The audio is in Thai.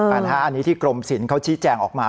อันนี้ที่กรมศิลป์เขาชี้แจงออกมา